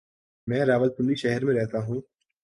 میں راولپنڈی شہر میں رہتا ہوں۔